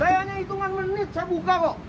saya hanya hitungan menit saya buka kok